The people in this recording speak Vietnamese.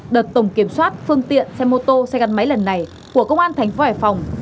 đợt tổng kiểm soát phương tiện xe mô tô xe gắn máy lần này của công an thành phố hải phòng